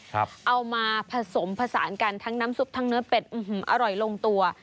เอามาผสมผสานกันทั้งน้ำซุปทั้งเนื้อเป็ดอร่อยลงตัว